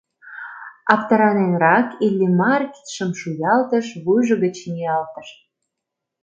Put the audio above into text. Аптыраненрак Иллимар кидшым шуялтыш, вуйжо гыч ниялтыш.